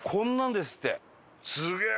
すげえ！